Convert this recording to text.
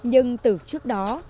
nhưng từ trước đó